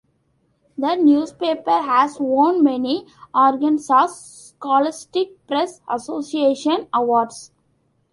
The newspaper has won many Arkansas Scholastic Press Association awards.